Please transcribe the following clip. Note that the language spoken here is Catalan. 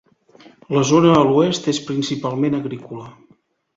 La zona a l'oest és principalment agrícola.